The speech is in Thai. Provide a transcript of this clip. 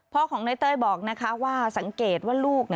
พ่อของน้อยเต้ยบอกนะคะว่าสังเกตว่าลูก